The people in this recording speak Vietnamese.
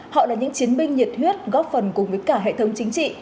họ là những chiến binh nhiệt huyết góp phần cùng với cả hệ thống chính trị